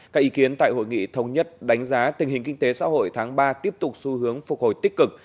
các ý kiến tại hội nghị thống nhất đánh giá tình hình kinh tế xã hội tháng ba tiếp tục xu hướng phục hồi tích cực